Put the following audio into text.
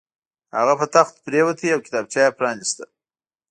هغه په تخت پرېوت او کتابچه یې پرانیسته